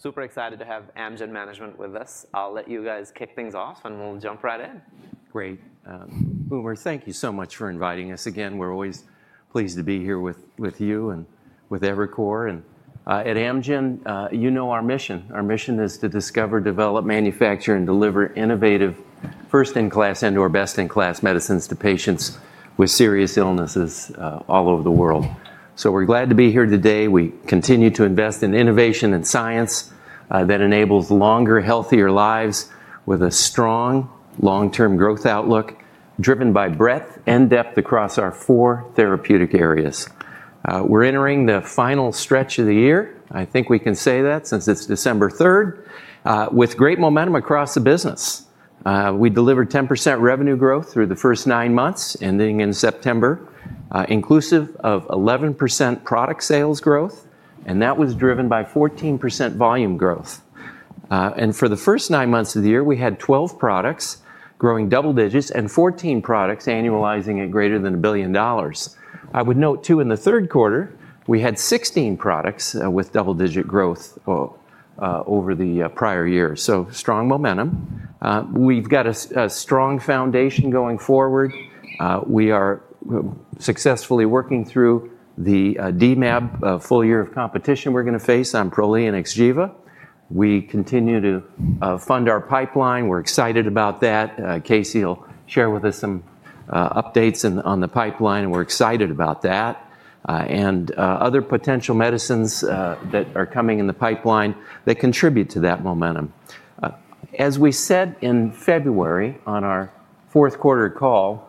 Super excited to have Amgen Management with us. I'll let you guys kick things off, and we'll jump right in. Great. Umer, thank you so much for inviting us again. We're always pleased to be here with you and with Evercore and at Amgen, you know our mission. Our mission is to discover, develop, manufacture, and deliver innovative, first-in-class and/or best-in-class medicines to patients with serious illnesses all over the world, so we're glad to be here today. We continue to invest in innovation and science that enables longer, healthier lives with a strong long-term growth outlook driven by breadth and depth across our four therapeutic areas. We're entering the final stretch of the year, I think we can say that, since it's December 3rd, with great momentum across the business. We delivered 10% revenue growth through the first nine months, ending in September, inclusive of 11% product sales growth, and that was driven by 14% volume growth. And for the first nine months of the year, we had 12 products growing double digits and 14 products annualizing at greater than $1 billion. I would note, too, in the third quarter, we had 16 products with double-digit growth over the prior year. So strong momentum. We've got a strong foundation going forward. We are successfully working through the DMAB full year of competition we're going to face on Prolia and XGEVA. We continue to fund our pipeline. We're excited about that. Casey will share with us some updates on the pipeline, and we're excited about that, and other potential medicines that are coming in the pipeline that contribute to that momentum. As we said in February on our fourth quarter call,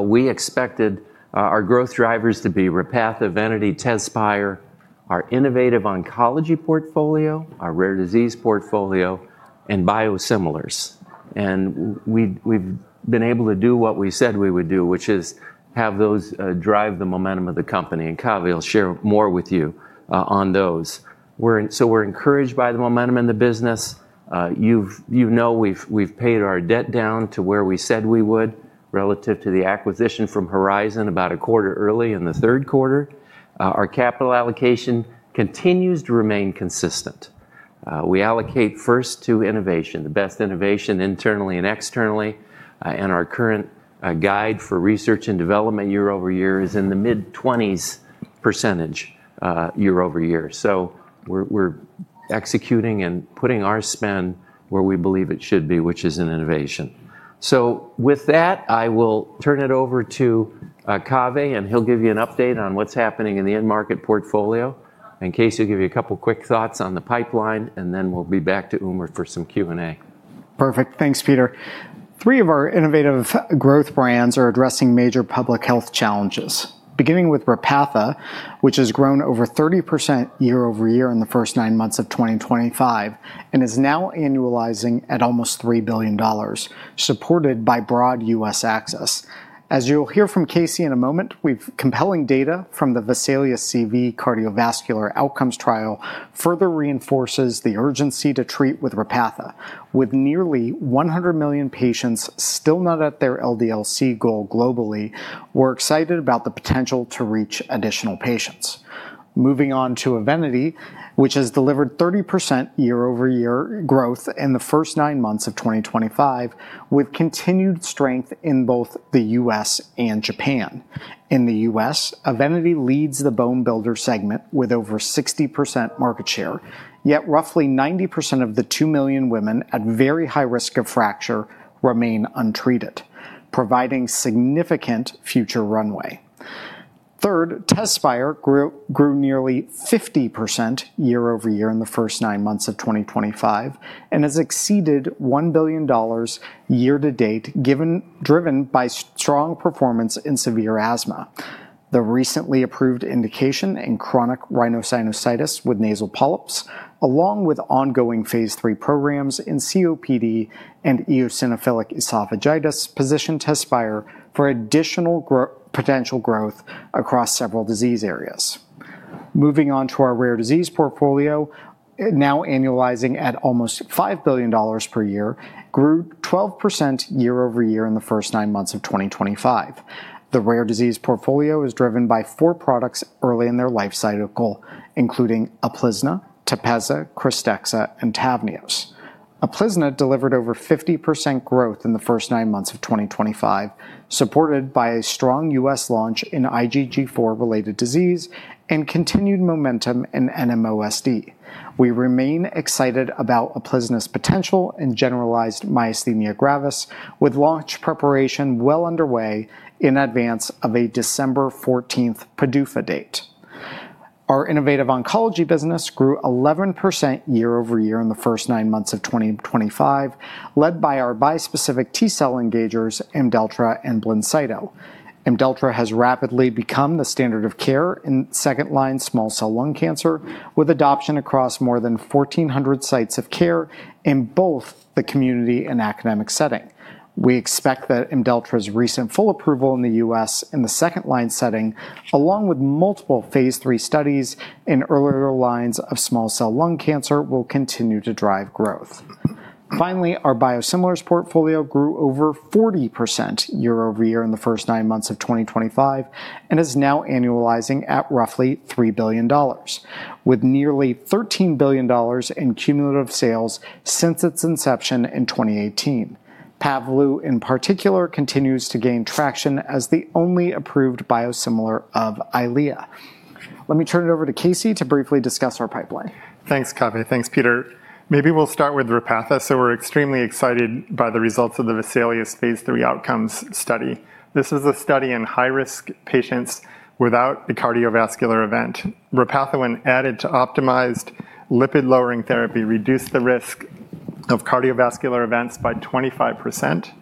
we expected our growth drivers to be Repatha, EVENITY, TEZSPIRE, our innovative oncology portfolio, our rare disease portfolio, and biosimilars. We've been able to do what we said we would do, which is have those drive the momentum of the company. Kave, I'll share more with you on those. We're encouraged by the momentum in the business. You know we've paid our debt down to where we said we would relative to the acquisition from Horizon about a quarter early in the third quarter. Our capital allocation continues to remain consistent. We allocate first to innovation, the best innovation internally and externally. Our current guide for research and development year over year is in the mid-20s% year over year. We're executing and putting our spend where we believe it should be, which is in innovation. With that, I will turn it over to Kave, and he'll give you an update on what's happening in the end market portfolio. Casey will give you a couple of quick thoughts on the pipeline, and then we'll be back to Umer for some Q&A. Perfect. Thanks, Peter. Three of our innovative growth brands are addressing major public health challenges, beginning with Repatha, which has grown over 30% year over year in the first nine months of 2025 and is now annualizing at almost $3 billion, supported by broad U.S. access. As you'll hear from Casey in a moment, we've compelling data from the Vesalius-CV cardiovascular outcomes trial further reinforces the urgency to treat with Repatha. With nearly 100 million patients still not at their LDL-C goal globally, we're excited about the potential to reach additional patients. Moving on to EVENITY, which has delivered 30% year over year growth in the first nine months of 2025, with continued strength in both the U.S. and Japan. In the U.S., EVENITY leads the bone builder segment with over 60% market share, yet roughly 90% of the 2 million women at very high risk of fracture remain untreated, providing significant future runway. Third, TEZSPIRE grew nearly 50% year over year in the first nine months of 2025 and has exceeded $1 billion year to date, driven by strong performance in severe asthma. The recently approved indication in chronic rhinosinusitis with nasal polyps, along with ongoing Phase III programs in COPD and eosinophilic esophagitis, position TEZSPIRE for additional potential growth across several disease areas. Moving on to our rare disease portfolio, now annualizing at almost $5 billion per year, grew 12% year over year in the first nine months of 2025. The rare disease portfolio is driven by four products early in their life cycle, including UPLIZNA, TEPEZZA, KRYSTEXXA, and Tavneos. UPLIZNA delivered over 50% growth in the first nine months of 2025, supported by a strong U.S. launch in IgG4-related disease and continued momentum in NMOSD. We remain excited about UPLIZNA's potential and generalized myasthenia gravis, with launch preparation well underway in advance of a December 14th PDUFA date. Our innovative oncology business grew 11% year over year in the first nine months of 2025, led by our Bispecific T-cell engagers, IMDELLTRA and BLINCYTO. IMDELLTRA has rapidly become the standard of care in second-line small cell lung cancer, with adoption across more than 1,400 sites of care in both the community and academic setting. We expect that IMDELLTRA's recent full approval in the U.S. in the second-line setting, along with multiple Phase III studies in earlier lines of small cell lung cancer, will continue to drive growth. Finally, our biosimilars portfolio grew over 40% year over year in the first nine months of 2025 and is now annualizing at roughly $3 billion, with nearly $13 billion in cumulative sales since its inception in 2018. Pavblu, in particular, continues to gain traction as the only approved biosimilar of EYLEA. Let me turn it over to Casey to briefly discuss our pipeline. Thanks, Kave. Thanks, Peter. Maybe we'll start with Repatha. So we're extremely excited by the results of the Vesalius-CV Phase III outcomes study. This is a study in high-risk patients without a cardiovascular event. Repatha, when added to optimized lipid-lowering therapy, reduced the risk of cardiovascular events by 25%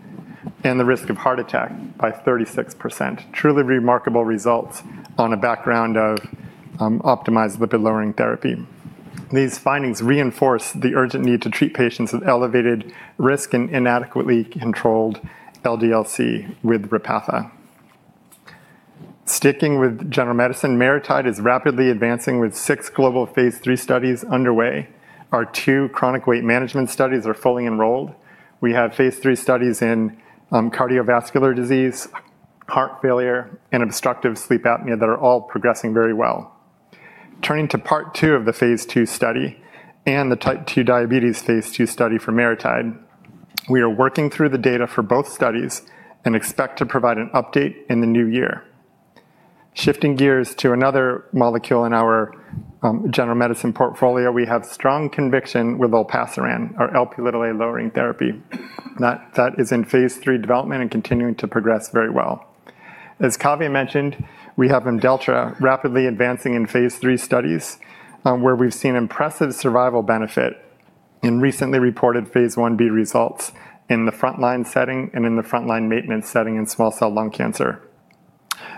and the risk of heart attack by 36%. Truly remarkable results on a background of optimized lipid-lowering therapy. These findings reinforce the urgent need to treat patients with elevated risk and inadequately controlled LDL-C with Repatha. Sticking with general medicine, MariTide is rapidly advancing with six global Phase III studies underway. Our two chronic weight management studies are fully enrolled. We have Phase III studies in cardiovascular disease, heart failure, and obstructive sleep apnea that are all progressing very well. Turning to part 2 of the Phase II study and the Type 2 Diabetes Phase II study for MariTide, we are working through the data for both studies and expect to provide an update in the new year. Shifting gears to another molecule in our general medicine portfolio, we have strong conviction with Olpasiran, our Lp(a) lowering therapy. That is in Phase III development and continuing to progress very well. As Kave mentioned, we have IMDELLTRA rapidly advancing in Phase III studies, where we've seen impressive survival benefit in recently reported Phase 1B results in the front-line setting and in the front-line maintenance setting in small cell lung cancer.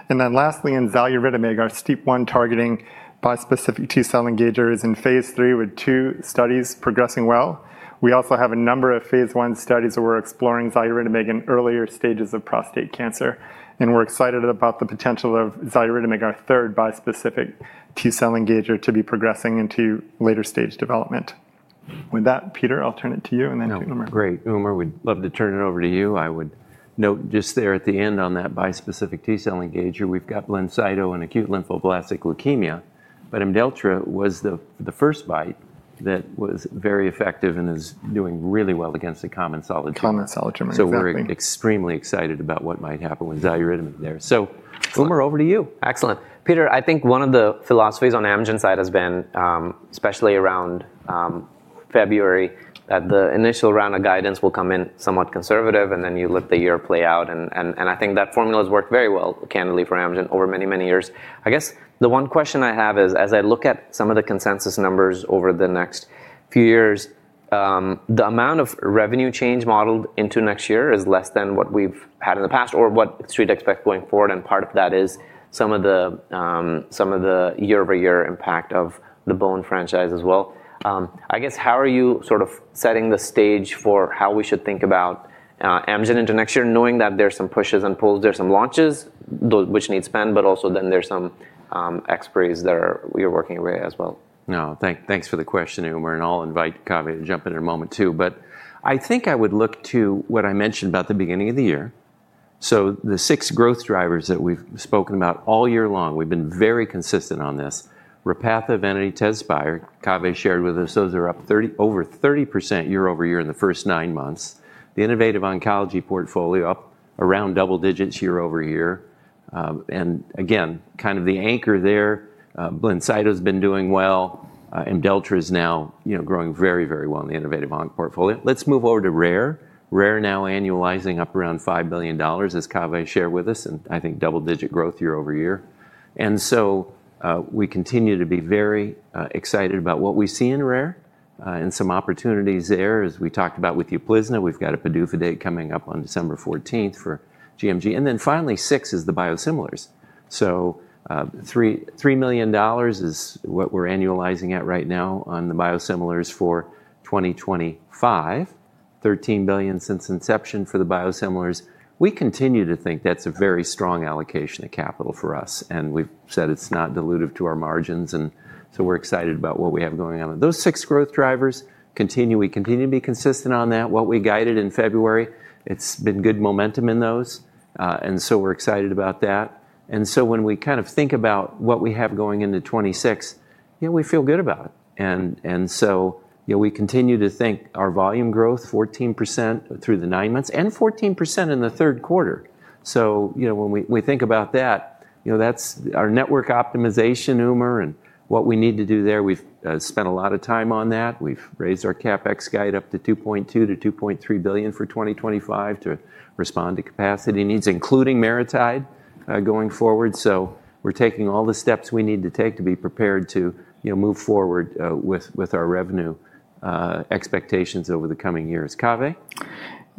And then lastly, in Xaluritamig, our STEAP1 targeting bispecific T-cell engager is in Phase III with two studies progressing well. We also have a number of Phase I studies where we're exploring Xaluritamig in earlier stages of prostate cancer. We're excited about the potential of Xaluritamig, our third bispecific T-cell engager, to be progressing into later stage development. With that, Peter, I'll turn it to you and then to Umer. Great. Umer, we'd love to turn it over to you. I would note just there at the end on that bispecific T-cell engager, we've got BLINCYTO and acute lymphoblastic leukemia. But IMDELLTRA was the first BiTE that was very effective and is doing really well against the common solid tumor pathogen. So we're extremely excited about what might happen with Xaluritamig there. So Umer, over to you. Excellent. Peter, I think one of the philosophies on Amgen's side has been, especially around February, that the initial round of guidance will come in somewhat conservative, and then you let the year play out. And I think that formula has worked very well, candidly, for Amgen over many, many years. I guess the one question I have is, as I look at some of the consensus numbers over the next few years, the amount of revenue change modeled into next year is less than what we've had in the past or what should expect going forward. And part of that is some of the year-over-year impact of the bone franchise as well. I guess, how are you sort of setting the stage for how we should think about Amgen into next year, knowing that there are some pushes and pulls, there are some launches which need spend, but also then there are some expiries that you're working away as well? No, thanks for the question, Umer, and I'll invite Kave to jump in in a moment, too. But I think I would look to what I mentioned about the beginning of the year. So the six growth drivers that we've spoken about all year long, we've been very consistent on this: Repatha, EVENITY, TEZSPIRE Kave shared with us, those are up over 30% year over year in the first nine months. The innovative oncology portfolio up around double digits year over year. And again, kind of the anchor there, BLINCYTO has been doing well. IMDELLTRA is now growing very, very well in the innovative portfolio. Let's move over to Rare. Rare now annualizing up around $5 billion, as Kave shared with us, and I think double-digit growth year over year. And so we continue to be very excited about what we see in Rare and some opportunities there. As we talked about with you, UPLIZNA, we've got a PDUFA date coming up on December 14th for GMG, and then finally, six is the biosimilars, so $3 million is what we're annualizing at right now on the biosimilars for 2025, $13 billion since inception for the biosimilars. We continue to think that's a very strong allocation of capital for us, and we've said it's not dilutive to our margins, and so we're excited about what we have going on. Those six growth drivers continue. We continue to be consistent on that. What we guided in February, it's been good momentum in those, and so we're excited about that, and so when we kind of think about what we have going into 2026, yeah, we feel good about it, and so we continue to think our volume growth, 14% through the nine months and 14% in the third quarter. So when we think about that, that's our network optimization, Umer, and what we need to do there. We've spent a lot of time on that. We've raised our CapEx guide up to $2.2-$2.3 billion for 2025 to respond to capacity needs, including MariTide going forward. So we're taking all the steps we need to take to be prepared to move forward with our revenue expectations over the coming years. Kave?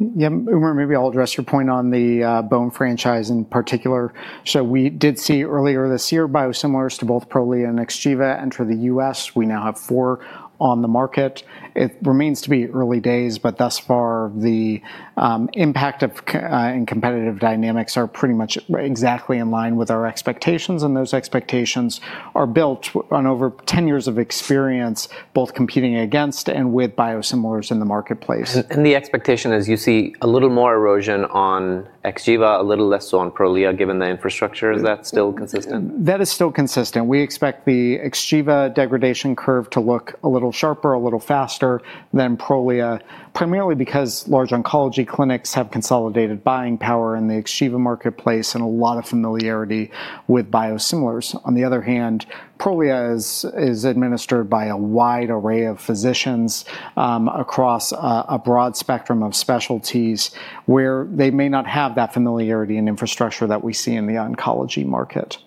Yeah, Umer, maybe I'll address your point on the bone franchise in particular. So we did see earlier this year biosimilars to both Prolia and XGEVA enter the U.S. We now have four on the market. It remains to be early days, but thus far the impact and competitive dynamics are pretty much exactly in line with our expectations. And those expectations are built on over 10 years of experience, both competing against and with biosimilars in the marketplace. The expectation is you see a little more erosion on XGEVA, a little less so on Prolia, given the infrastructure. Is that still consistent? That is still consistent. We expect the XGEVA degradation curve to look a little sharper, a little faster than Prolia, primarily because large oncology clinics have consolidated buying power in the XGEVA marketplace and a lot of familiarity with biosimilars. On the other hand, Prolia is administered by a wide array of physicians across a broad spectrum of specialties where they may not have that familiarity and infrastructure that we see in the oncology market.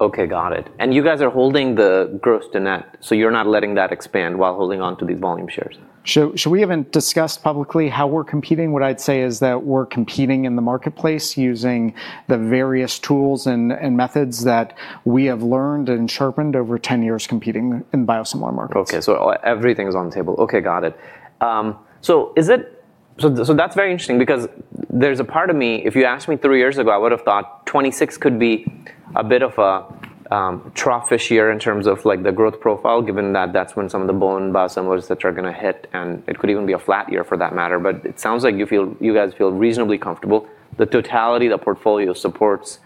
Okay, got it. And you guys are holding the gross to net, so you're not letting that expand while holding on to these volume shares. We haven't discussed publicly how we're competing. What I'd say is that we're competing in the marketplace using the various tools and methods that we have learned and sharpened over 10 years competing in the biosimilar market. Okay, so everything's on the table. Okay, got it. So that's very interesting because there's a part of me, if you asked me three years ago, I would have thought 2026 could be a bit of a trough-ish year in terms of the growth profile, given that that's when some of the bone biosimilars that are going to hit. And it could even be a flat year for that matter. But it sounds like you guys feel reasonably comfortable. The totality of the portfolio supports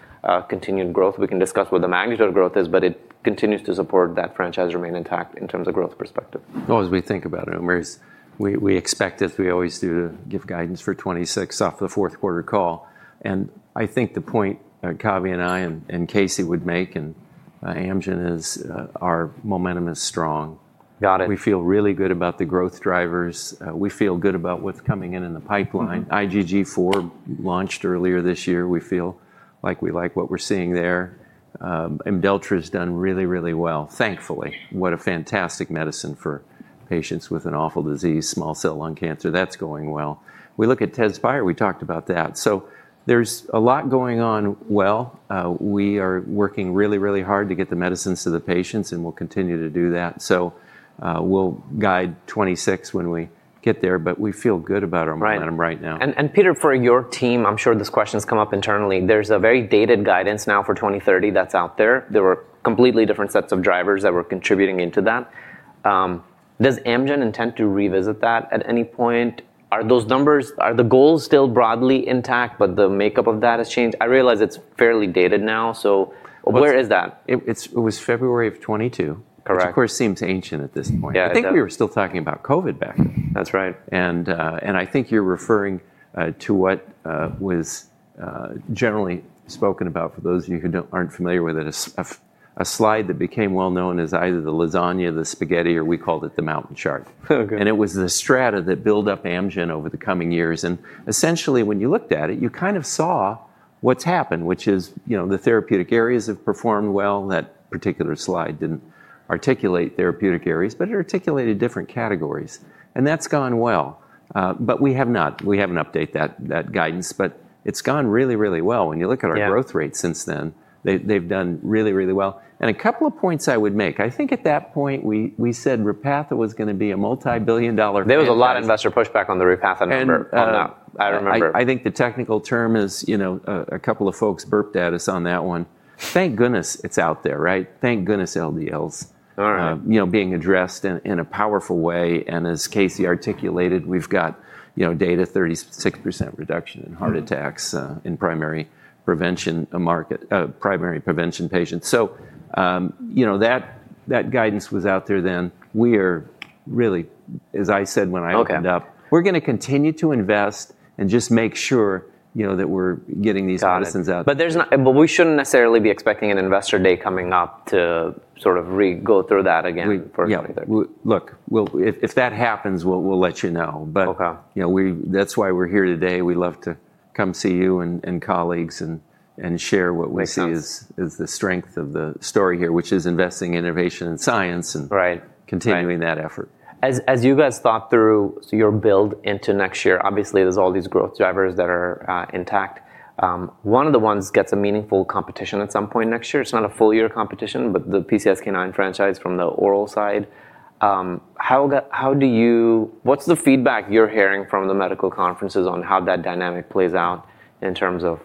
continued growth. We can discuss what the magnitude of growth is, but it continues to support that franchise remain intact in terms of growth perspective. As we think about it, Umer, we expect it. We always do give guidance for 2026 off the fourth quarter call. And I think the point Kave and I and Casey would make and Amgen is our momentum is strong. Got it. We feel really good about the growth drivers. We feel good about what's coming in in the pipeline. IgG4 launched earlier this year. We feel like we like what we're seeing there. IMDELLTRA has done really, really well, thankfully. What a fantastic medicine for patients with an awful disease, small cell lung cancer. That's going well. We look at TEZSPIRE. We talked about that. So there's a lot going on, well, we are working really, really hard to get the medicines to the patients, and we'll continue to do that. So we'll guide 2026 when we get there, but we feel good about our momentum right now. And Peter, for your team, I'm sure this question has come up internally. There's a very dated guidance now for 2030 that's out there. There were completely different sets of drivers that were contributing into that. Does Amgen intend to revisit that at any point? Are those numbers, are the goals still broadly intact, but the makeup of that has changed? I realize it's fairly dated now. So where is that? It was February of 2022. Correct. Which of course seems ancient at this point. I think we were still talking about COVID back then. That's right. I think you're referring to what was generally spoken about, for those of you who aren't familiar with it, a slide that became well known as either the lasagna, the spaghetti, or we called it the mountain chart. And it was the strata that built up Amgen over the coming years. And essentially, when you looked at it, you kind of saw what's happened, which is the therapeutic areas have performed well. That particular slide didn't articulate therapeutic areas, but it articulated different categories. And that's gone well. But we have not, we haven't updated that guidance, but it's gone really, really well. When you look at our growth rate since then, they've done really, really well. And a couple of points I would make. I think at that point we said Repatha was going to be a multi-billion dollar. There was a lot of investor pushback on the Repatha number. I remember. I think the technical term is a couple of folks burped at us on that one. Thank goodness it's out there, right? Thank goodness LDLs being addressed in a powerful way. And as Casey articulated, we've got data: 36% reduction in heart attacks in primary prevention market, primary prevention patients. So that guidance was out there then. We are really, as I said when I opened up, we're going to continue to invest and just make sure that we're getting these medicines out there. But we shouldn't necessarily be expecting an investor day coming up to sort of re-go through that again for a month. Yeah. Look, if that happens, we'll let you know. But that's why we're here today. We love to come see you and colleagues and share what we see as the strength of the story here, which is investing in innovation and science and continuing that effort. As you guys thought through your build into next year, obviously there's all these growth drivers that are intact. One of the ones gets a meaningful competition at some point next year. It's not a full year competition, but the PCSK9 franchise from the oral side. What's the feedback you're hearing from the medical conferences on how that dynamic plays out in terms of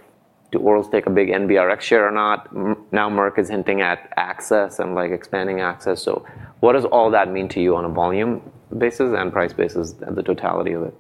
do orals take a big NBRx share or not? Now Merck is hinting at access and expanding access. So what does all that mean to you on a volume basis and price basis and the totality of it?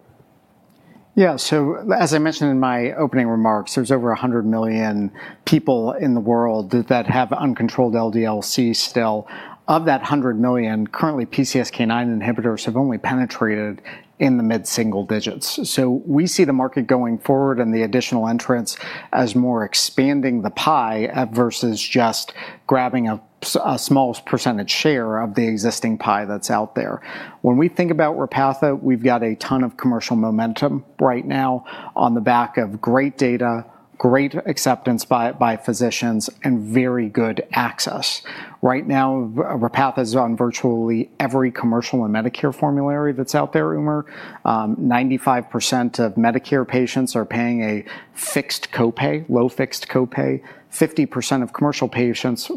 Yeah. So as I mentioned in my opening remarks, there's over 100 million people in the world that have uncontrolled LDL-C still. Of that 100 million, currently PCSK9 inhibitors have only penetrated in the mid-single digits. So we see the market going forward and the additional entrants as more expanding the pie versus just grabbing a small percentage share of the existing pie that's out there. When we think about Repatha, we've got a ton of commercial momentum right now on the back of great data, great acceptance by physicians, and very good access. Right now, Repatha is on virtually every commercial and Medicare formulary that's out there, Umer. 95% of Medicare patients are paying a fixed copay, low fixed copay. 50% of commercial patients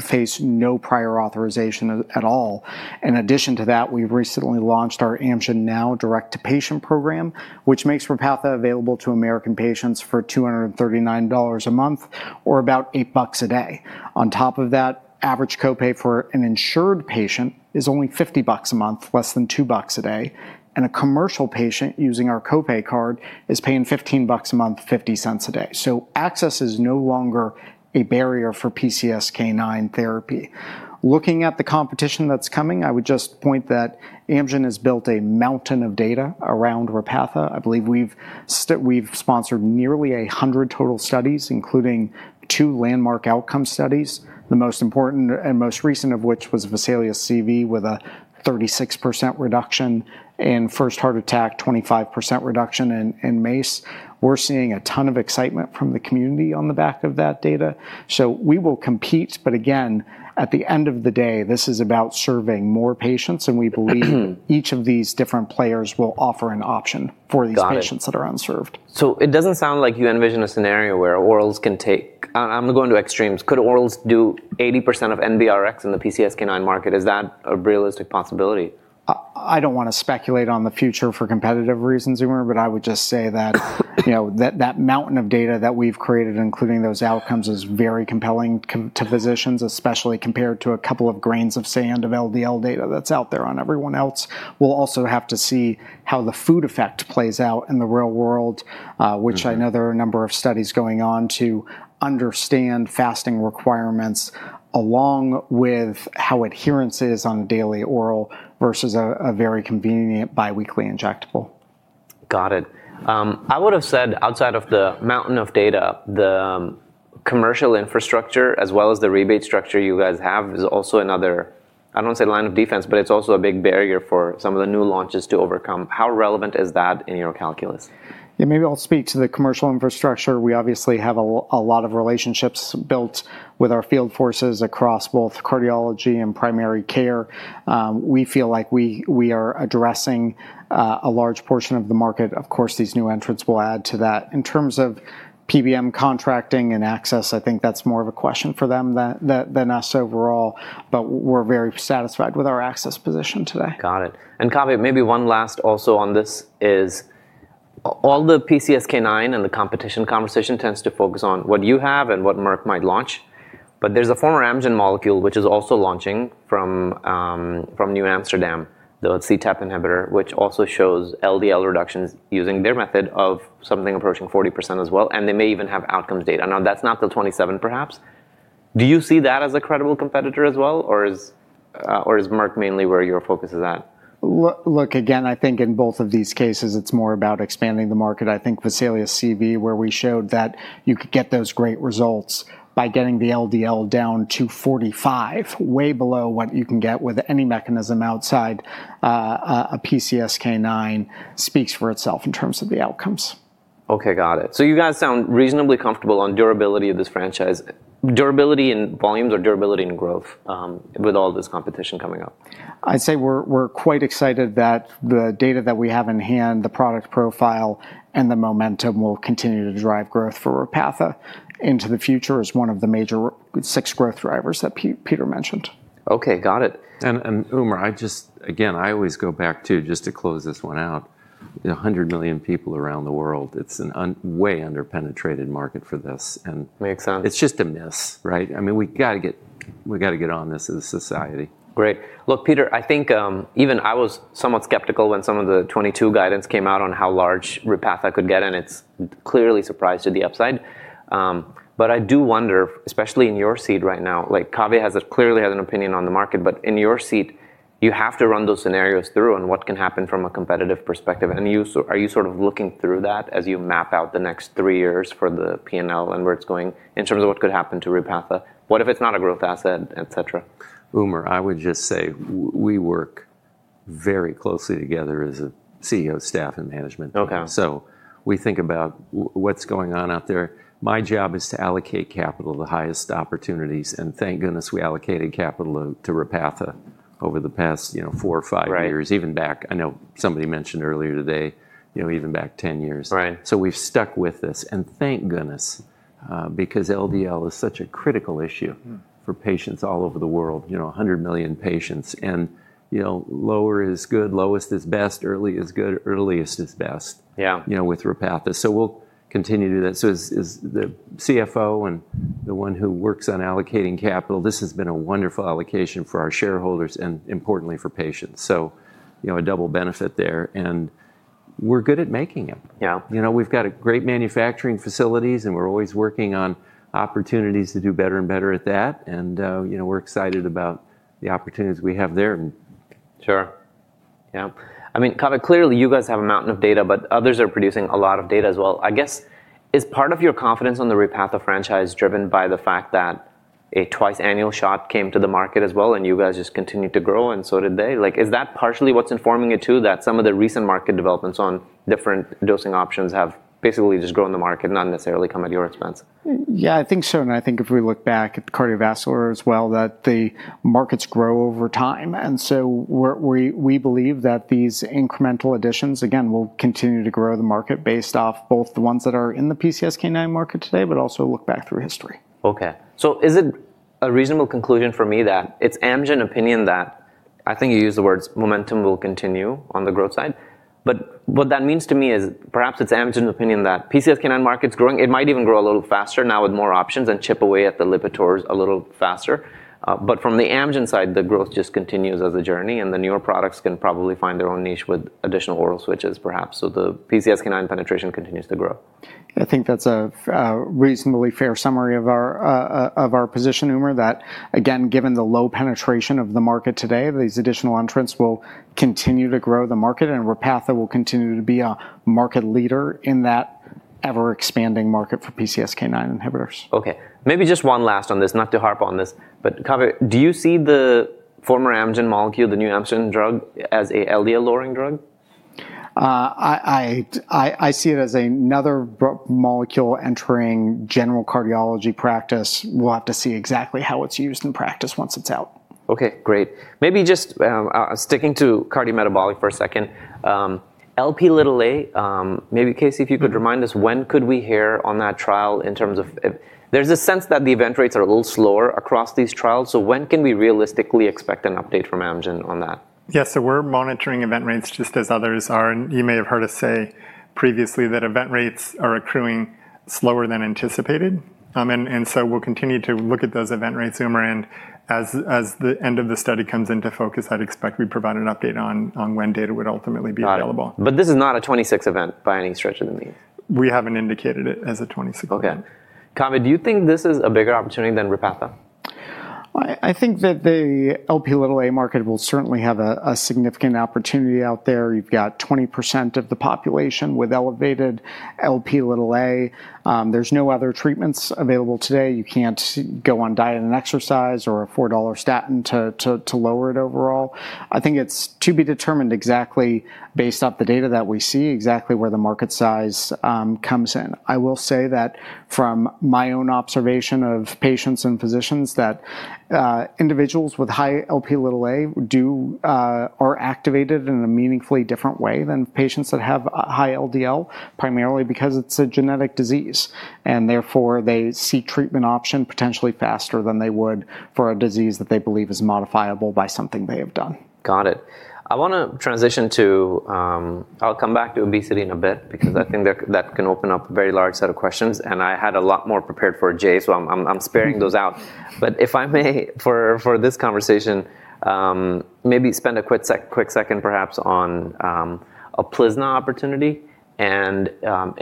face no prior authorization at all. In addition to that, we recently launched our Amgen Now direct-to-patient program, which makes Repatha available to American patients for $239 a month or about $8 a day. On top of that, average copay for an insured patient is only $50 a month, less than $2 a day, and a commercial patient using our copay card is paying $15 a month, $0.50 a day. So access is no longer a barrier for PCSK9 therapy. Looking at the competition that's coming, I would just point that Amgen has built a mountain of data around Repatha. I believe we've sponsored nearly 100 total studies, including two landmark outcome studies, the most important and most recent of which was Vesalius CV with a 36% reduction in first heart attack, 25% reduction in MACE. We're seeing a ton of excitement from the community on the back of that data, so we will compete. But again, at the end of the day, this is about serving more patients. And we believe each of these different players will offer an option for these patients that are unserved. So it doesn't sound like you envision a scenario where orals can take. I'm going to extremes. Could orals do 80% of NBRx in the PCSK9 market? Is that a realistic possibility? I don't want to speculate on the future for competitive reasons, Umer, but I would just say that that mountain of data that we've created, including those outcomes, is very compelling to physicians, especially compared to a couple of grains of sand of LDL data that's out there on everyone else. We'll also have to see how the food effect plays out in the real world, which I know there are a number of studies going on to understand fasting requirements along with how adherence is on a daily oral versus a very convenient biweekly injectable. Got it. I would have said outside of the mountain of data, the commercial infrastructure, as well as the rebate structure you guys have, is also another, I don't want to say line of defense, but it's also a big barrier for some of the new launches to overcome. How relevant is that in your calculus? Yeah, maybe I'll speak to the commercial infrastructure. We obviously have a lot of relationships built with our field forces across both cardiology and primary care. We feel like we are addressing a large portion of the market. Of course, these new entrants will add to that. In terms of PBM contracting and access, I think that's more of a question for them than us overall, but we're very satisfied with our access position today. Got it. And Kave, maybe one last also on this is all the PCSK9 and the competition conversation tends to focus on what you have and what Merck might launch. But there's a former Amgen molecule, which is also launching from New Amsterdam, the CETP inhibitor, which also shows LDL reductions using their method of something approaching 40% as well. And they may even have outcomes data. Now, that's not the 2027 perhaps. Do you see that as a credible competitor as well, or is Merck mainly where your focus is at? Look, again, I think in both of these cases, it's more about expanding the market. I think Vesalius CV, where we showed that you could get those great results by getting the LDL down to 45, way below what you can get with any mechanism outside a PCSK9, speaks for itself in terms of the outcomes. Okay, got it. So you guys sound reasonably comfortable on durability of this franchise. Durability in volumes or durability in growth with all this competition coming up? I'd say we're quite excited that the data that we have in hand, the product profile and the momentum will continue to drive growth for Repatha into the future as one of the major six growth drivers that Peter mentioned. Okay, got it. And Umer, I just, again, I always go back to just to close this one out. 100 million people around the world. It's a way underpenetrated market for this. Makes sense. It's just a miss, right? I mean, we got to get on this as a society. Great. Look, Peter, I think even I was somewhat skeptical when some of the 2022 guidance came out on how large Repatha could get, and it's clearly surprised to the upside, but I do wonder, especially in your seat right now, Kave has clearly an opinion on the market, but in your seat, you have to run those scenarios through and what can happen from a competitive perspective, and are you sort of looking through that as you map out the next three years for the P&L and where it's going in terms of what could happen to Repatha? What if it's not a growth asset, et cetera? Umer, I would just say we work very closely together as a CEO, staff, and management so we think about what's going on out there. My job is to allocate capital to the highest opportunities and thank goodness we allocated capital to Repatha over the past four or five years, even back. I know somebody mentioned earlier today, even back 10 years so we've stuck with this and thank goodness because LDL is such a critical issue for patients all over the world, 100 million patients. Lower is good, lowest is best, early is good, earliest is best with Repatha so we'll continue to do that. As the CFO and the one who works on allocating capital, this has been a wonderful allocation for our shareholders and importantly for patients so a double benefit there and we're good at making it. We've got great manufacturing facilities, and we're always working on opportunities to do better and better at that, and we're excited about the opportunities we have there. Sure. Yeah. I mean, Kave, clearly you guys have a mountain of data, but others are producing a lot of data as well. I guess is part of your confidence on the Repatha franchise driven by the fact that a twice-annual shot came to the market as well and you guys just continued to grow and so did they? Is that partially what's informing it too, that some of the recent market developments on different dosing options have basically just grown the market, not necessarily come at your expense? Yeah, I think so. And I think if we look back at cardiovascular as well, that the markets grow over time. And so we believe that these incremental additions, again, will continue to grow the market based off both the ones that are in the PCSK9 market today, but also look back through history. Okay. So is it a reasonable conclusion for me that it's Amgen opinion that I think you used the words momentum will continue on the growth side? But what that means to me is perhaps it's Amgen opinion that PCSK9 market's growing. It might even grow a little faster now with more options and chip away at the Lipitor a little faster. But from the Amgen side, the growth just continues as a journey and the newer products can probably find their own niche with additional oral switches perhaps. So the PCSK9 penetration continues to grow. I think that's a reasonably fair summary of our position, Umer, that again, given the low penetration of the market today, these additional entrants will continue to grow the market and Repatha will continue to be a market leader in that ever-expanding market for PCSK9 inhibitors. Okay. Maybe just one last on this, not to harp on this, but Kave, do you see the former Amgen molecule, the new Amgen drug as an LDL-Lowering drug? I see it as another molecule entering general cardiology practice. We'll have to see exactly how it's used in practice once it's out. Okay, great. Maybe just sticking to cardiometabolic for a second, Lp(a), maybe Casey, if you could remind us when could we hear on that trial in terms of there's a sense that the event rates are a little slower across these trials? So when can we realistically expect an update from Amgen on that? Yeah, so we're monitoring event rates just as others are. And you may have heard us say previously that event rates are accruing slower than anticipated. And so we'll continue to look at those event rates, Umer, and as the end of the study comes into focus, I'd expect we provide an update on when data would ultimately be available. This is not a 2026 event by any stretch of the imagination. We haven't indicated it as a 2026 event. Okay. Kave, do you think this is a bigger opportunity than Repatha? I think that the Lp(a) market will certainly have a significant opportunity out there. You've got 20% of the population with elevated Lp(a). There's no other treatments available today. You can't go on diet and exercise or a $4 statin to lower it overall. I think it's to be determined exactly based off the data that we see, exactly where the market size comes in. I will say that from my own observation of patients and physicians that individuals with high Lp(a) are activated in a meaningfully different way than patients that have high LDL, primarily because it's a genetic disease. And therefore, they see treatment option potentially faster than they would for a disease that they believe is modifiable by something they have done. Got it. I want to transition to. I'll come back to obesity in a bit because I think that can open up a very large set of questions. And I had a lot more prepared for Jay, so I'm sparing those out. But if I may, for this conversation, maybe spend a quick second perhaps on a UPLIZNA opportunity in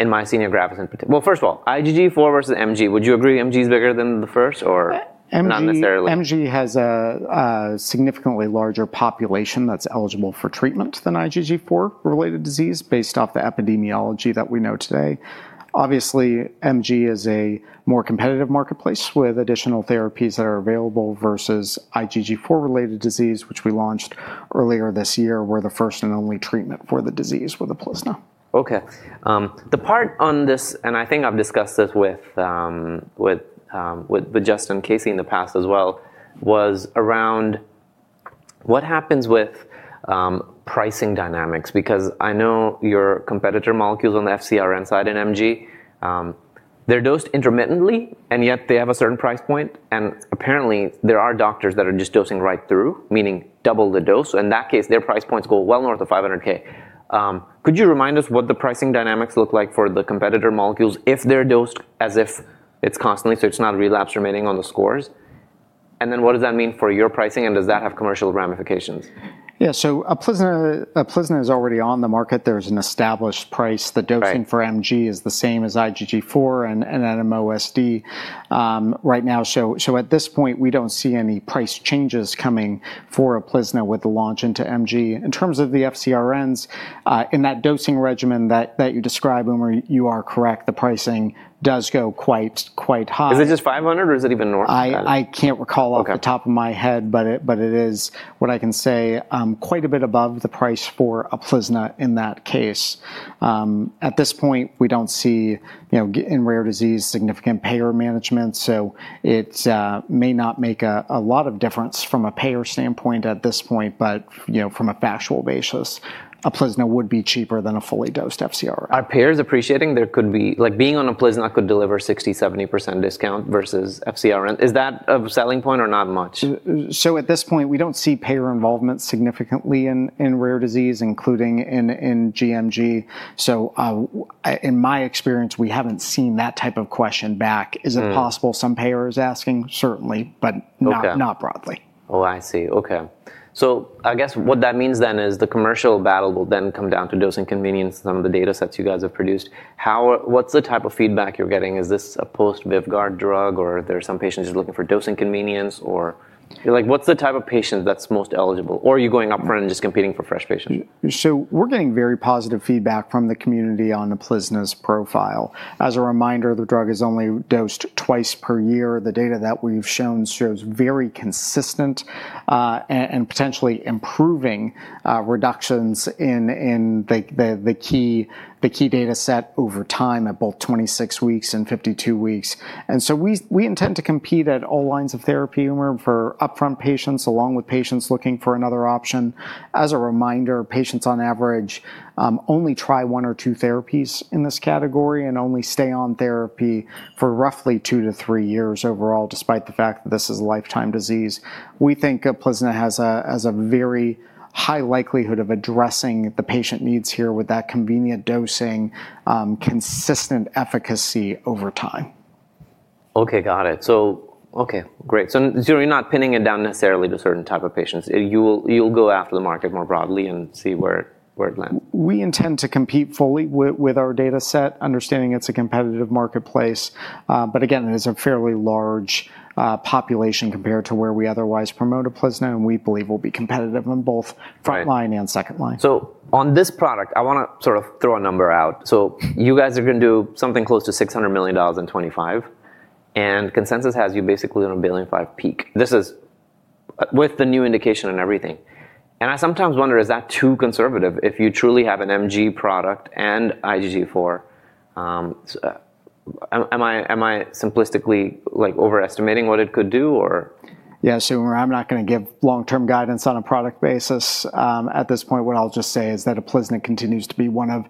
myasthenia gravis. First of all, IgG4 versus MG, would you agree MG is bigger than the first or not necessarily? MG has a significantly larger population that's eligible for treatment than IgG4-related disease based off the epidemiology that we know today. Obviously, MG is a more competitive marketplace with additional therapies that are available versus IgG4-related disease, which we launched earlier this year where the first and only treatment for the disease was the UPLIZNA. Okay. The part on this, and I think I've discussed this with Justin and Casey in the past as well, was around what happens with pricing dynamics because I know your competitor molecules on the FcRn side and MG, they're dosed intermittently and yet they have a certain price point. And apparently, there are doctors that are just dosing right through, meaning double the dose. In that case, their price points go well north of $500,000. Could you remind us what the pricing dynamics look like for the competitor molecules if they're dosed as if it's constantly, so it's not relapse remaining on the scores? And then what does that mean for your pricing and does that have commercial ramifications? Yeah, so UPLIZNA is already on the market. There's an established price. The dosing for MG is the same as IgG4 and NMOSD right now. So at this point, we don't see any price changes coming for UPLIZNA with the launch into MG. In terms of the FcRns, in that dosing regimen that you describe, Umer, you are correct, the pricing does go quite high. Is it just 500 or is it even north of that? I can't recall off the top of my head, but it is, what I can say, quite a bit above the price for a UPLIZNA in that case. At this point, we don't see in rare disease significant payer management. So it may not make a lot of difference from a payer standpoint at this point, but from a factual basis, UPLIZNA would be cheaper than a fully dosed FcRn. Are payers appreciating there could be like being on UPLIZNA could deliver 60%-70% discount versus FcRn? Is that a selling point or not much? So at this point, we don't see payer involvement significantly in rare disease, including in GMG. So in my experience, we haven't seen that type of question back. Is it possible some payers asking? Certainly, but not broadly. Oh, I see. Okay. So I guess what that means then is the commercial battle will then come down to dosing convenience and some of the data sets you guys have produced. What's the type of feedback you're getting? Is this a post-Vyvgart drug or there's some patients just looking for dosing convenience or what's the type of patient that's most eligible? Or are you going upfront and just competing for fresh patients? We're getting very positive feedback from the community on Prolia's profile. As a reminder, the drug is only dosed twice per year. The data that we've shown shows very consistent and potentially improving reductions in the key data set over time at both 26 weeks and 52 weeks. We intend to compete at all lines of therapy, Umer, for upfront patients along with patients looking for another option. As a reminder, patients on average only try one or two therapies in this category and only stay on therapy for roughly two to three years overall, despite the fact that this is a lifetime disease. We think Prolia has a very high likelihood of addressing the patient needs here with that convenient dosing, consistent efficacy over time. Okay, got it. So, okay, great. So you're not pinning it down necessarily to a certain type of patients. You'll go after the market more broadly and see where it lands. We intend to compete fully with our data set, understanding it's a competitive marketplace. But again, it is a fairly large population compared to where we otherwise promote BLINCYTO and we believe we'll be competitive on both front-line and second-line. So on this product, I want to sort of throw a number out. So you guys are going to do something close to $600 million in 2025. And consensus has you basically on a $1.5 billion peak. This is with the new indication and everything. And I sometimes wonder, is that too conservative if you truly have an MG product and IgG4? Am I simplistically overestimating what it could do or? Yeah, so Umer, I'm not going to give long-term guidance on a product basis. At this point, what I'll just say is that UPLIZNA continues to be one of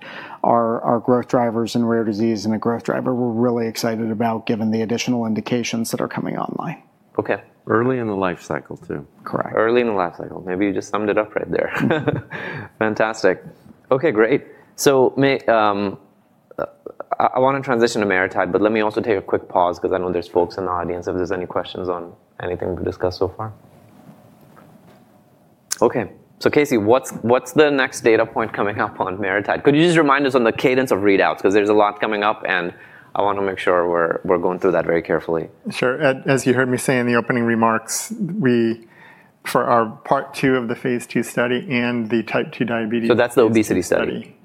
our growth drivers in rare disease and a growth driver we're really excited about given the additional indications that are coming online. Okay. Early in the life cycle too. Correct. Early in the life cycle. Maybe you just summed it up right there. Fantastic. Okay, great. So I want to transition to MariTide, but let me also take a quick pause because I know there's folks in the audience if there's any questions on anything we've discussed so far. Okay. So Casey, what's the next data point coming up on MariTide? Could you just remind us on the cadence of readouts because there's a lot coming up and I want to make sure we're going through that very carefully. Sure. As you heard me say in the opening remarks, we for our part 2 of the Phase II study and the Type 2 Diabetes. That's the obesity study.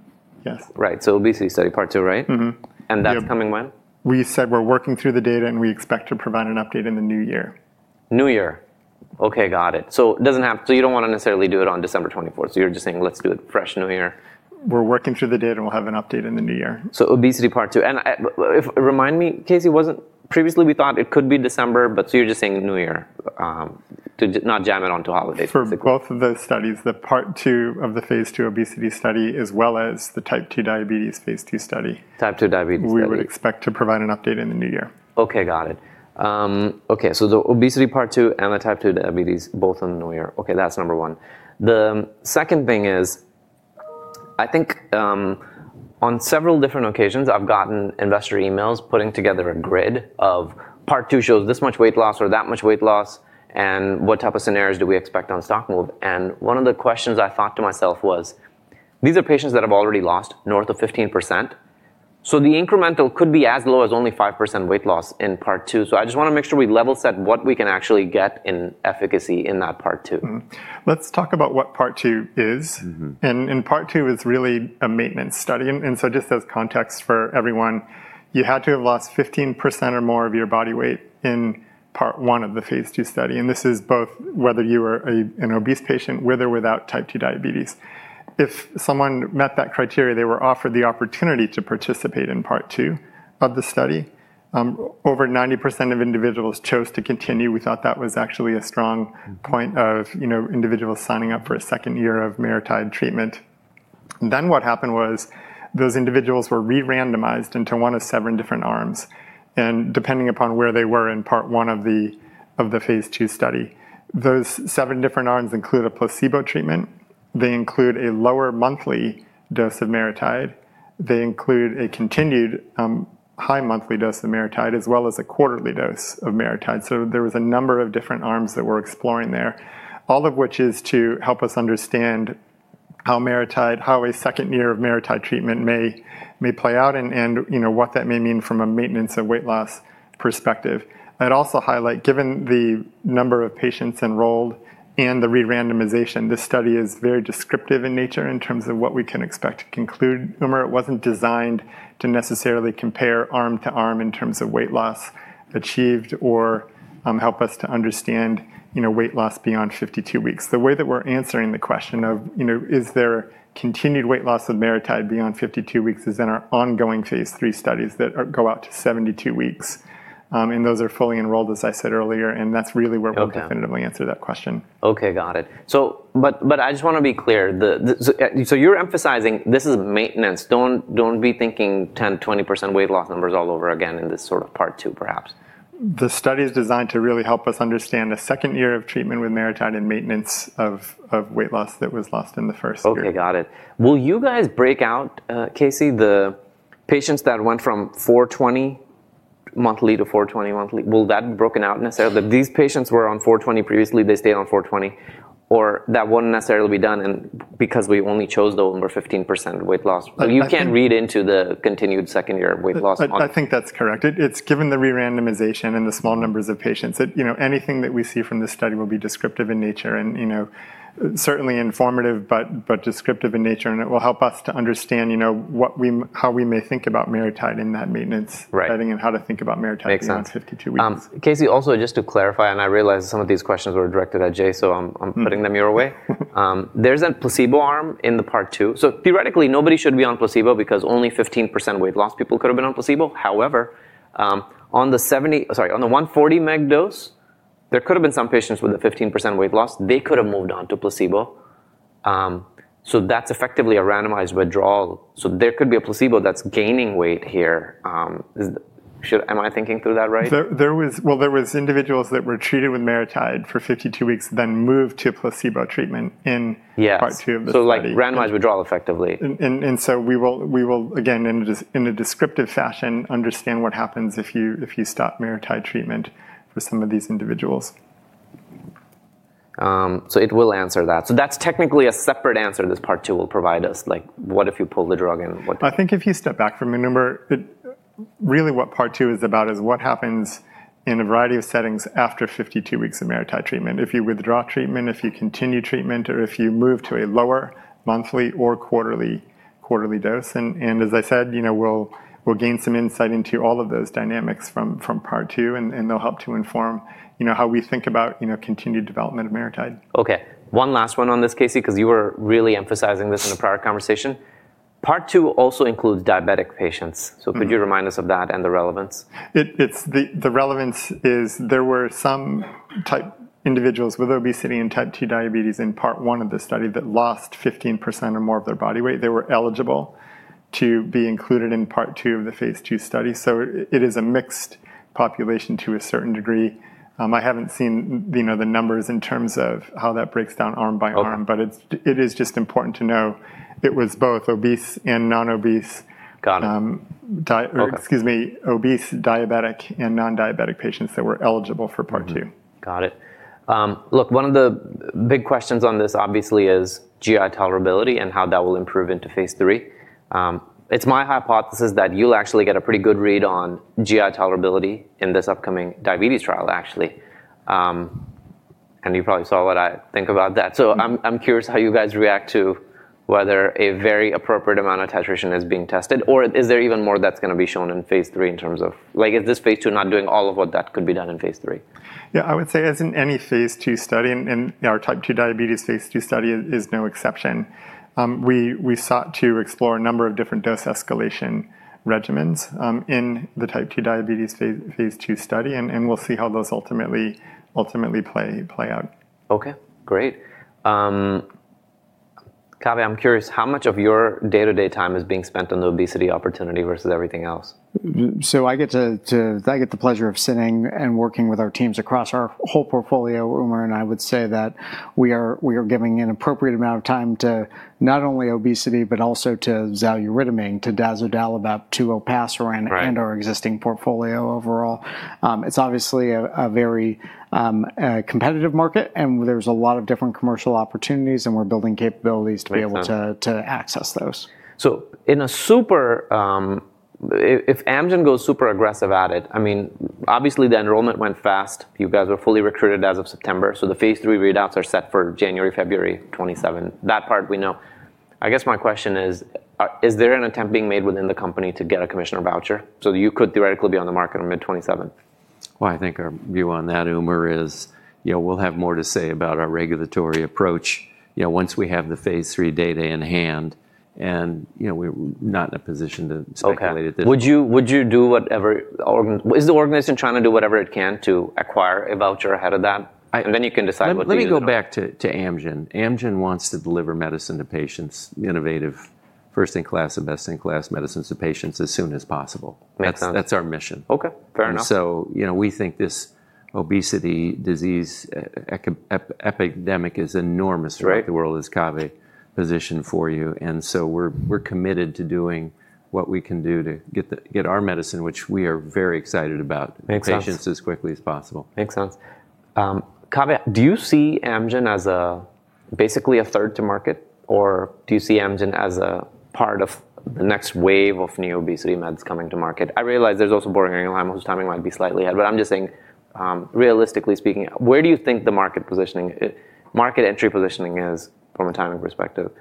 Yes. Right. So obesity study part two, right? Mm-hmm. That's coming when? We said we're working through the data and we expect to provide an update in the new year. New year. Okay, got it. So it doesn't happen. So you don't want to necessarily do it on December 24th. So you're just saying let's do it fresh new year. We're working through the data and we'll have an update in the new year. Obesity part two. And remind me, Casey, wasn't previously we thought it could be December, but so you're just saying new year to not jam it onto holidays. For both of those studies, the part two of the Phase II obesity study as well as the Type 2 Diabetes Phase II study. Type 2 Diabetes study. We would expect to provide an update in the new year. Okay, got it. Okay. So the obesity part two and the Type 2 Diabetes, both in the new year. Okay, that's number one. The second thing is I think on several different occasions, I've gotten investor emails putting together a grid of part two shows this much weight loss or that much weight loss and what type of scenarios do we expect on stock move. And one of the questions I thought to myself was these are patients that have already lost north of 15%. So the incremental could be as low as only 5% weight loss in part two. So I just want to make sure we level set what we can actually get in efficacy in that part two. Let's talk about what part two is. And in part two, it's really a maintenance study. And so just as context for everyone, you had to have lost 15% or more of your body weight in part one of the Phase II study. And this is both whether you are an obese patient with or without Type 2 Diabetes. If someone met that criteria, they were offered the opportunity to participate in part two of the study. Over 90% of individuals chose to continue. We thought that was actually a strong point of individuals signing up for a second year of MariTide treatment. Then what happened was those individuals were re-randomized into one of seven different arms. And depending upon where they were in part one of the Phase II study, those seven different arms include a placebo treatment. They include a lower monthly dose of MariTide. They include a continued high monthly dose of MariTide as well as a quarterly dose of MariTide, so there was a number of different arms that we're exploring there, all of which is to help us understand how a second year of MariTide treatment may play out and what that may mean from a maintenance of weight loss perspective. I'd also highlight, given the number of patients enrolled and the re-randomization, this study is very descriptive in nature in terms of what we can expect to conclude. Umer, it wasn't designed to necessarily compare arm to arm in terms of weight loss achieved or help us to understand weight loss beyond 52 weeks. The way that we're answering the question of is there continued weight loss of MariTide beyond 52 weeks is in our ongoing Phase IIII studies that go out to 72 weeks. Those are fully enrolled, as I said earlier. That's really where we'll definitively answer that question. Okay, got it. But I just want to be clear. So you're emphasizing this is maintenance. Don't be thinking 10%-20% weight loss numbers all over again in this sort of part two, perhaps. The study is designed to really help us understand a second year of treatment with MariTide and maintenance of weight loss that was lost in the first year. Okay, got it. Will you guys break out, Casey, the patients that went from 420 monthly to 420 monthly? Will that be broken out necessarily? These patients were on 420 previously, they stayed on 420, or that wouldn't necessarily be done because we only chose the over 15% weight loss? You can't read into the continued second year of weight loss. I think that's correct. It's, given the re-randomization and the small numbers of patients, that anything that we see from this study will be descriptive in nature and certainly informative, but descriptive in nature, and it will help us to understand how we may think about MariTide in that maintenance setting and how to think about MariTide beyond 52 weeks. Casey, also just to clarify, and I realize some of these questions were directed at Jay, so I'm putting them your way. There's a placebo arm in the part two. So theoretically, nobody should be on placebo because only 15% weight loss people could have been on placebo. However, on the 140 mg dose, there could have been some patients with a 15% weight loss. They could have moved on to placebo. So that's effectively a randomized withdrawal. So there could be a placebo that's gaining weight here. Am I thinking through that right? There were individuals that were treated with MariTide for 52 weeks, then moved to placebo treatment in part two of the study. So like randomized withdrawal effectively. We will, again, in a descriptive fashion, understand what happens if you stop MariTide treatment for some of these individuals. So it will answer that. So that's technically a separate answer. This part two will provide us. What if you pull the drug and what? I think if you step back for a number, really what part two is about is what happens in a variety of settings after 52 weeks of MariTide treatment. If you withdraw treatment, if you continue treatment, or if you move to a lower monthly or quarterly dose, and as I said, we'll gain some insight into all of those dynamics from part two, and they'll help to inform how we think about continued development of MariTide. Okay. One last one on this, Casey, because you were really emphasizing this in a prior conversation. Part two also includes diabetic patients. So could you remind us of that and the relevance? The relevance is there were some type individuals with obesity and Type 2 Diabetes in part one of the study that lost 15% or more of their body weight. They were eligible to be included in part two of the Phase II study. So it is a mixed population to a certain degree. I haven't seen the numbers in terms of how that breaks down arm by arm, but it is just important to know it was both obese and non-obese. Got it. Excuse me, obese, diabetic, and non-diabetic patients that were eligible for part two. Got it. Look, one of the big questions on this obviously is GI tolerability and how that will improve into Phase III. It's my hypothesis that you'll actually get a pretty good read on GI tolerability in this upcoming diabetes trial, actually. And you probably saw what I think about that. So I'm curious how you guys react to whether a very appropriate amount of titration is being tested, or is there even more that's going to be shown in Phase III in terms of, like, is this Phase II not doing all of what that could be done in Phase III? Yeah, I would say as in any Phase II study, and our Type 2 Diabetes Phase II study is no exception. We sought to explore a number of different dose escalation regimens in the Type 2 Diabetes Phase II study, and we'll see how those ultimately play out. Okay, great. Kave, I'm curious how much of your day-to-day time is being spent on the obesity opportunity versus everything else? So I get the pleasure of sitting and working with our teams across our whole portfolio, Umer, and I would say that we are giving an appropriate amount of time to not only obesity, but also to Xaluritamig, to Dazodalibep, to Olpasiran and our existing portfolio overall. It's obviously a very competitive market, and there's a lot of different commercial opportunities, and we're building capabilities to be able to access those. So, if Amgen goes super aggressive at it, I mean, obviously the enrollment went fast. You guys were fully recruited as of September. So the Phase III readouts are set for January, February 2027. That part we know. I guess my question is, is there an attempt being made within the company to get a priority review voucher? So you could theoretically be on the market on Mid-2027. I think our view on that, Umer, is we'll have more to say about our regulatory approach once we have the Phase III data in hand. We're not in a position to speculate at this point. Would you do whatever? Is the organization trying to do whatever it can to acquire a voucher ahead of that? And then you can decide what the. Let me go back to Amgen. Amgen wants to deliver medicine to patients, innovative, first-in-class and best-in-class medicines to patients as soon as possible. That's our mission. Okay, fair enough. And so we think this obesity disease epidemic is enormous. The world is ready, positioned for you. And so we're committed to doing what we can do to get our medicine, which we are very excited about, to patients as quickly as possible. Makes sense. Kave, do you see Amgen as basically a third to market, or do you see Amgen as a part of the next wave of new obesity meds coming to market? I realize there's also Boehringer Ingelheim. I'm assuming might be slightly ahead, but I'm just saying, realistically speaking, where do you think the market entry positioning is from a timing perspective?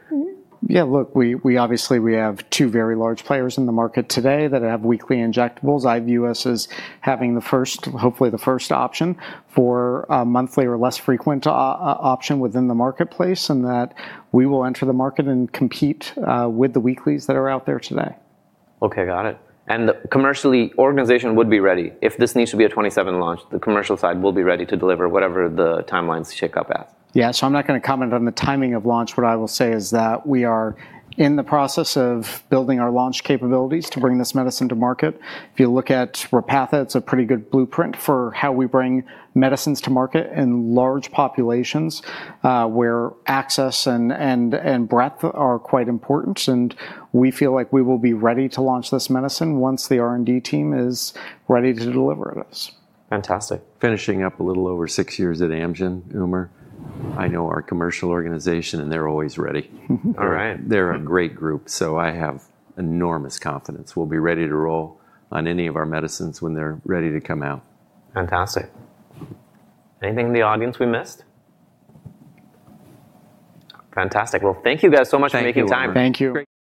Yeah, look, we obviously have two very large players in the market today that have weekly injectables. Us is having the first, hopefully the first option for a monthly or less frequent option within the marketplace, and that we will enter the market and compete with the weeklies that are out there today. Okay, got it. And commercially, the organization would be ready if this needs to be a 2027 launch. The commercial side will be ready to deliver whatever the timelines shake up at. Yeah, so I'm not going to comment on the timing of launch. What I will say is that we are in the process of building our launch capabilities to bring this medicine to market. If you look at Repatha, it's a pretty good blueprint for how we bring medicines to market in large populations where access and breadth are quite important, and we feel like we will be ready to launch this medicine once the R&D team is ready to deliver it. Fantastic. Finishing up a little over six years at Amgen, Umer, I know our commercial organization, and they're always ready. They're a great group, so I have enormous confidence. We'll be ready to roll on any of our medicines when they're ready to come out. Fantastic. Anything in the audience we missed? Fantastic. Well, thank you guys so much for making time. Thank you.